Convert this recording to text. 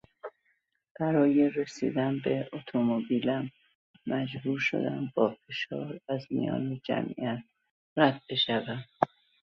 برای رسیدن به اتومبیلم مجبور شدم با فشار از میان جمعیت رد بشوم.